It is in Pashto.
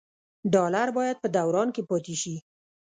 ډالر باید په دوران کې پاتې شي.